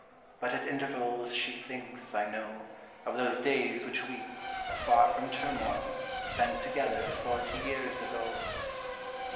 But at intervals she thinks, I know, Of those days which we, afar from turmoil, Spent together forty years ago.